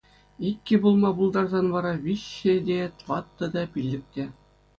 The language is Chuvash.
Иккӗ пулма пултарсан вара виҫҫӗ те, тваттӑ та, пиллӗк те...